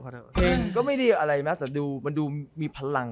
เพลงก็ไม่ได้อะไรนะแต่ดูมันดูมีพลัง